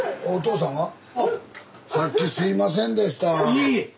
いえいえ。